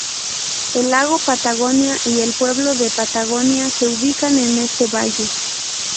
El lago Patagonia y el pueblo de Patagonia se ubican en este valle.